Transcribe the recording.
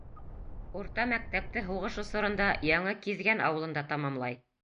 Урта мәктәпте һуғыш осоронда Яңы Киҙгән ауылында тамамлай.